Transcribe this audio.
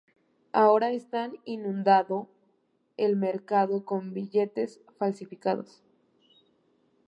Ahora están inundando el mercado con billetes falsificados.